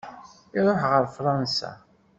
Iruḥ ɣer Fransa.